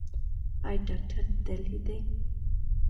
ایا ډاکټر دلې دی؟